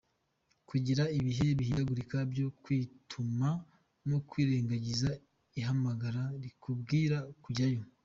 Kugira ibihe bihindagurika byo kwituma no kwirengangiza ihamagara rikubwira kujyayo.